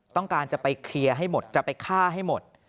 ต้องการจะไปเคลียร์ให้หมดจะไปฆ่าให้หมด